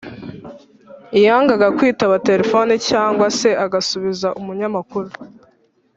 yangaga kwitaba terefoni cyangwa se agasubiza umunyamakuru